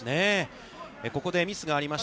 ここでミスがありました。